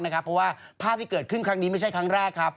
เพราะว่าภาพที่เกิดขึ้นครั้งนี้ไม่ใช่ครั้งแรกครับ